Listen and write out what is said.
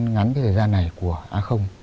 ngắn thời gian này của a